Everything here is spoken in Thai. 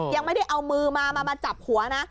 ยังไม่ได้เอามือมามาจับหัวนะ